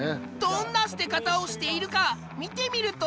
どんな捨て方をしているか見てみると。